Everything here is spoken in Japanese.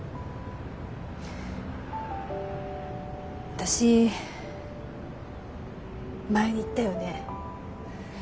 私前に言ったよね。